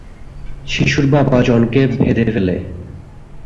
শিশুর বাবা জনকে বেঁধে ফেলে।